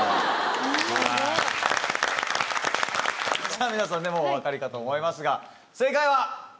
さぁ皆さんねもうお分かりかと思いますが正解は。